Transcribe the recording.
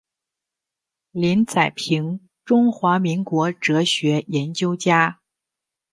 林宰平中华民国哲学研究家。